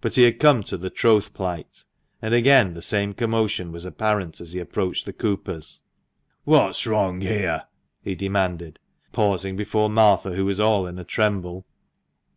But he had come to the troth plight, and again the same commotion was apparent as he approached the Coopers. "What's wrong here?" he demanded, pausing before Martha, who was all in a tremble.